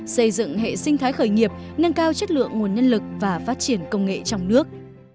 xây dựng hệ sinh thái khởi nghiệp nâng cao chất lượng nguồn nhân lực và phát triển công nghệ trong nước